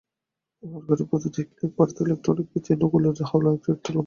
ব্যবহারকারীর প্রতিটি ক্লিক, বার্তা এবং ইলেকট্রনিক চিহ্ন এগুলো হলো একেকটা লাভজনক খনি।